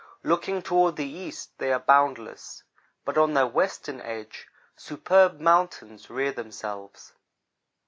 Looking toward the east they are boundless, but on their western edge superb mountains rear themselves.